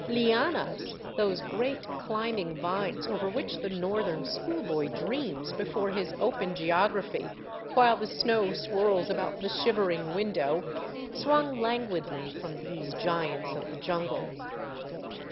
Lianas, those great climbing vines over which the northern school boy dreams before his open geography while the snow swirls about the shivering window, swung languidly from these giants of the jungle.